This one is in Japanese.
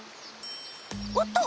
おっと！